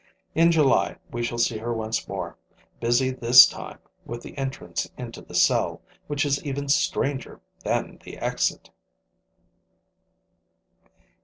In July, we shall see her once more, busy this time with the entrance into the cell, which is even stranger than the exit.